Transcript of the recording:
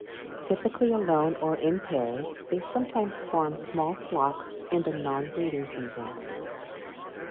Typically alone or in pairs, they sometimes form small flocks in the non-breeding season.